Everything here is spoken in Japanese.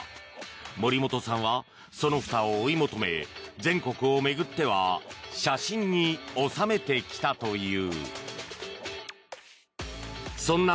森本さんは、そのふたを追い求め全国を巡っては写真に収めてきたという。